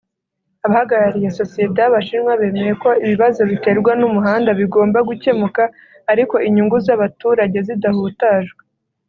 Abahagarariye Sosiyete y’Abashinwa bemeye ko ibibazo biterwa n’umuhanda bigomba gukemuka ariko inyungu z’abaturage zidahutajwe